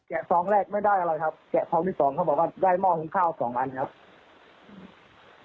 ซองแรกไม่ได้อะไรครับแกะซองที่สองเขาบอกว่าได้หม้อหุงข้าวสองอันครับ